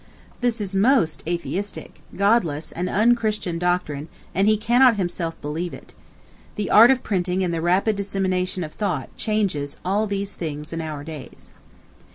This is most atheistic, godless, and un christian doctrine, and he cannot himself believe it. The art of printing and the rapid dissemination of thought changes all these things in our days.